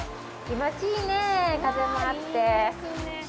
気持ちいいねえ、風もあって。